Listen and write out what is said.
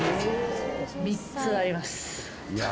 ３つあります。